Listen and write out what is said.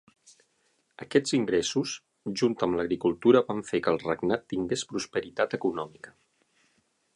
Aquests ingressos, junt amb l'agricultura, van fer que el regnat tingués prosperitat econòmica.